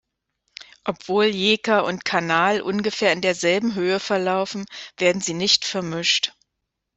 Obwohl Jeker und Kanal ungefähr in derselben Höhe verlaufen, werden sie nicht vermischt.